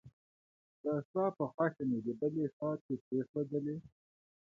دا ستا په خوښه مې د بلې ښار کې پريښودلې